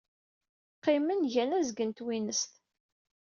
Qqimen, gan azgen n twinest.